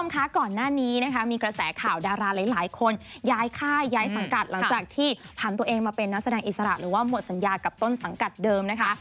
คุณผู้ชมคะก่อนหน้านี้นะคะมีกระแสข่าวดาราหลายคนย้ายค่ายย้ายสังกัดหลังจากที่ผ่านตัวเองมาเป็นนักแสดงอิสระหรือว่าหมดสัญญากับต้นสังกัดเดิมนะคะ